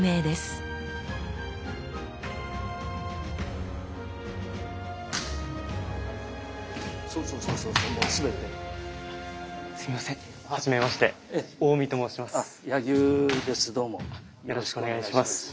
よろしくお願いします。